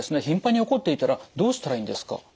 頻繁に起こっていたらどうしたらいいんですか？